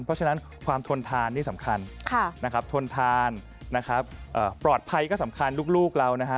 เพราะฉะนั้นความทนทานนี่สำคัญทนทานปลอดภัยก็สำคัญลูกเรา